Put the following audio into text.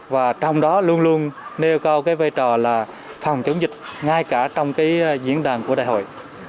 và trong đó luôn luôn nêu cao cái vai trò là phòng chống dịch ngay cả trong cái diễn đàn của đại hội